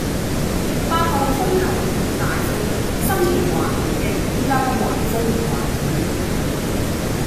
八號風球好大風，新田環湖徑依家橫風橫雨